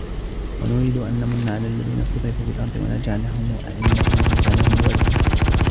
ونريد أن نمن على الذين استضعفوا في الأرض ونجعلهم أئمة ونجعلهم الوارثين